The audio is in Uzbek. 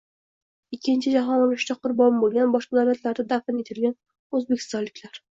ikkinchi Jahon urushida qurbon bo‘lgan, boshqa davlatlarda dafn etilgan O‘zbekistonliklar